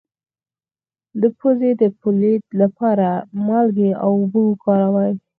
د پوزې د پولیت لپاره د مالګې اوبه وکاروئ